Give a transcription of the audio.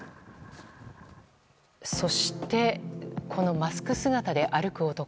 そして、このマスク姿で歩く男。